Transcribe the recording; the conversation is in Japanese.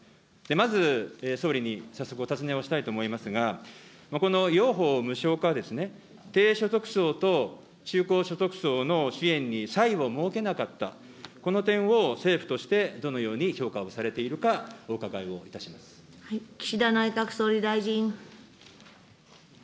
まず、総理に早速お尋ねをしたいと思いますが、この幼保無償化は、低所得層と中高所得層の支援に差異を設けなかった、この点を政府としてどのように評価をされているか、お伺い岸田内閣総理大臣。